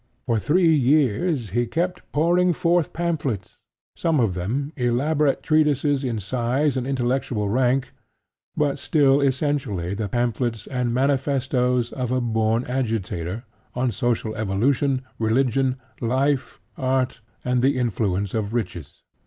For three years he kept pouring forth pamphlets some of them elaborate treatises in size and intellectual rank, but still essentially the pamphlets and manifestoes of a born agitator on social evolution, religion, life, art and the influence of riches.